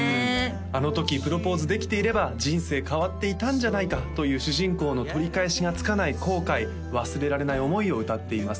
あの時プロポーズできていれば人生変わっていたんじゃないか？という主人公の取り返しがつかない後悔忘れられない思いを歌っています